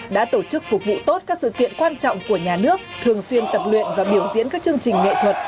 đã tổ chức phục vụ tốt các sự kiện quan trọng của nhà nước thường xuyên tập luyện và biểu diễn các chương trình nghệ thuật